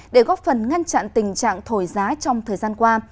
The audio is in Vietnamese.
để góp phần ngăn chặn tình trạng thổi giá trong thời gian qua